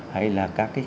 hay là các cái